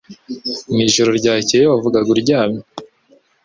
Mwijoro ryakeye wavugaga uryamye